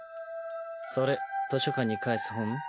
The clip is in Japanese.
それ図書館に返す本？